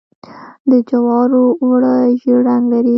د جوارو اوړه ژیړ رنګ لري.